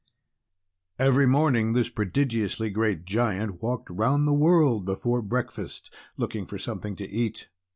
Every morning this prodigiously great Giant walked round the world before breakfast, looking for something to eat.